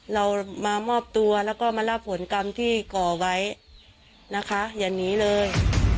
เรามามอบตัวแล้วก็มารับผลกรรมที่ก่อไว้นะคะอย่าหนีเลย